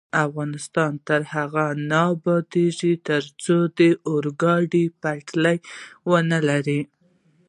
افغانستان تر هغو نه ابادیږي، ترڅو د اورګاډي پټلۍ ونلرو.